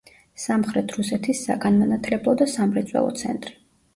სამხრეთ რუსეთის საგანმანათლებლო და სამრეწველო ცენტრი.